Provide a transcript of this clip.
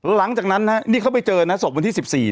หลังจากนั้นนี่เขาไปเจอนะศพวันที่๑๔